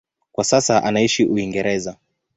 Kwa sasa anaishi Uingereza.